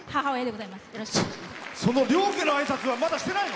その両家のあいさつはまだしてないの？